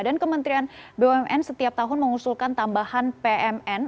dan kementerian bumn setiap tahun mengusulkan tambahan pmn